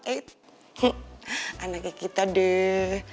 eh anaknya kita deh